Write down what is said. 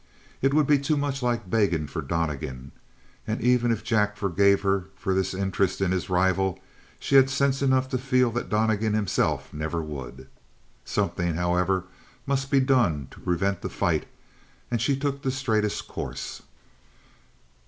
It would be too much like begging for Donnegan, and even if Jack forgave her for this interest in his rival, she had sense enough to feel that Donnegan himself never would. Something, however, must be done to prevent the fight, and she took the straightest course.